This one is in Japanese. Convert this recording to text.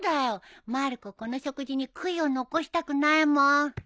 まる子この食事に悔いを残したくないもん。